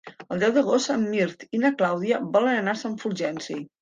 El deu d'agost en Mirt i na Clàudia volen anar a Sant Fulgenci.